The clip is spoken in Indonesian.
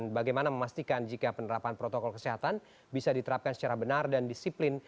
bagaimana memastikan jika penerapan protokol kesehatan bisa diterapkan secara benar dan disiplin